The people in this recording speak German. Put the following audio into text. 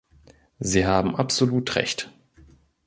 Sie haben absolut Recht.